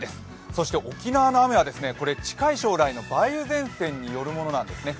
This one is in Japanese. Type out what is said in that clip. そして沖縄の雨は近い将来の梅雨前線によるものなんですね。